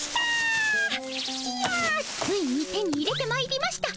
いやついに手に入れてまいりました。